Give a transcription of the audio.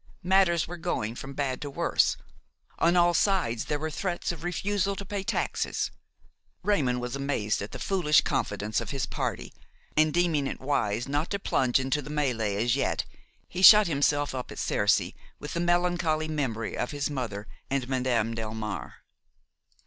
Matters were going from bad to worse; on all sides there were threats of refusal to pay taxes. Raymon was amazed at the foolish confidence of his party, and deeming it wise not to plunge into the mêlée as yet, he shut himself up at Cercy with the melancholy memory of his mother and Madame Delmare.